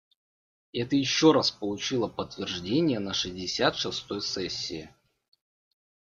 Это еще раз получило подтверждение на шестьдесят шестой сессии.